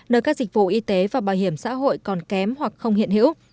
nơi các dịch vụ y tế và bảo hiểm xã hội còn kém hoặc không hiện hữu